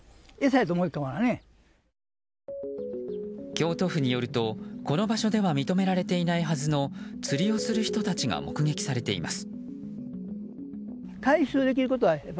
京都府によると、この場所では認められていないはずの釣りをする人たちが目撃されています。